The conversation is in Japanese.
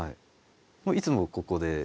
いつもここで？